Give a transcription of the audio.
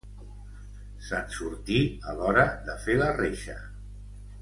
Se'n sortí, a l'hora de fer la reixa.